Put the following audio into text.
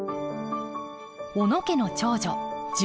小野家の長女純子。